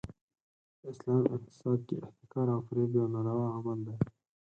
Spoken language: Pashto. د اسلام اقتصاد کې احتکار او فریب یو ناروا عمل دی.